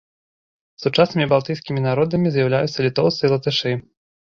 Сучаснымі балтыйскімі народамі з'яўляюцца літоўцы і латышы.